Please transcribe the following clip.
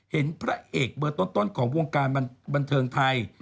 พระเอกเบอร์ต้นของวงการบันเทิงไทย